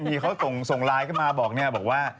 มีเขาส่งไลน์เข้ามาบอกว่า